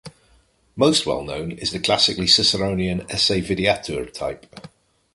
Most well known is the classically Ciceronian "esse videatur" type.